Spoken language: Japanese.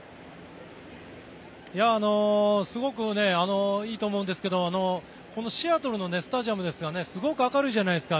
すごくいいと思うんですけどこのシアトルのスタジアムですがすごく明るいじゃないですか。